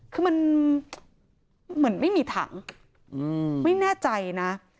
คือมันเหมือนไม่มีถังไม่แน่ใจนะ